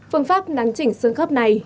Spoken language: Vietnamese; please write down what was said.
phương pháp nắn trịnh sương khớp này